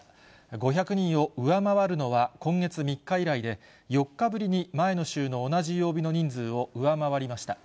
５００人を上回るのは、今月３日以来で、４日ぶりに前の週の同じ曜日の人数を上回りました。